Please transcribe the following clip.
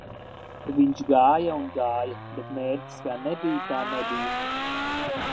Viņš gāja un gāja, bet mērķis kā nebija tā nebija